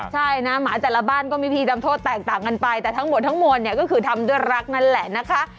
ใช่นะหมาแต่ละบ้านก็มีพิธีทำโทษแตกต่างกันไปแต่ทั้งหมดทั้งมวลเนี่ยก็คือทำด้วยรักนั่นแหละนะคะ